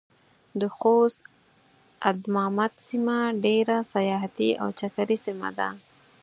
د خوست ادمامد سيمه ډېره سياحتي او چکري سيمه ده.